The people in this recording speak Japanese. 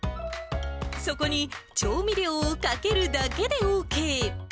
そこに調味料をかけるだけでＯＫ。